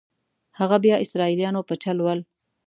هغه بیا اسرائیلیانو په چل ول.